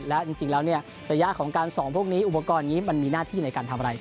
และจริงแล้วระยะของการส่องพวกนี้อุปกรณ์นี้มันมีหน้าที่ในการทำอะไร